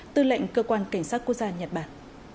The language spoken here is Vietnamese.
tư lệnh cơ quan cảnh sát quốc gia nhật bản